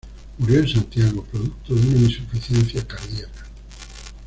Murió en Santiago, producto de una insuficiencia cardíaca.